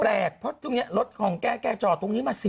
แกก็ต้องแปลกเพราะรถของแกแกจอดตรงนี้มา๑๐ปี